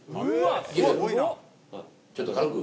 ちょっと軽く。